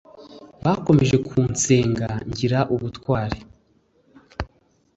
bakomeje kunsenga ngira ubutwari